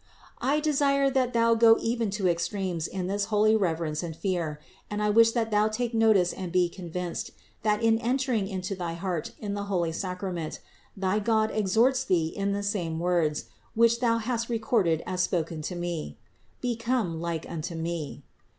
488. I desire that thou go even to extremes in this holy reverence and fear ; and I wish that thou take notice and be convinced, that in entering into thy heart in the 410 CITY OF GOD holy Sacrament, thy God exhorts thee in the same words, which thou hast recorded as spoken to me : become like unto Me.